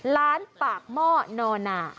ร้านปากหม้อนอนา